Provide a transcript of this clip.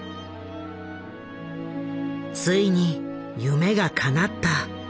ついに夢がかなった。